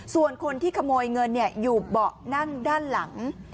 ส่วนคนที่ขโมยเงินอยู่เบาะนั่งด้านหลัง